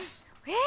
え！